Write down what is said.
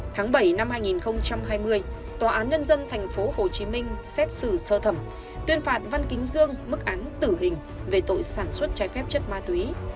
tháng bảy năm hai nghìn hai mươi tòa án nhân dân tp hcm xét xử sơ thẩm tuyên phạt văn kính dương mức án tử hình về tội sản xuất trái phép chất ma túy